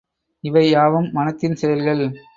இவை யாவும் மனத்தின் செயல்கள்.